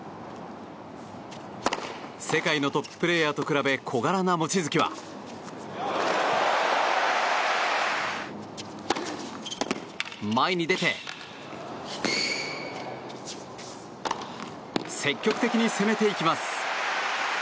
世界のトッププレーヤーと比べ小柄な望月は前に出て積極的に攻めていきます。